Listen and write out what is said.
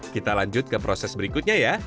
kita lanjut ke proses berikutnya ya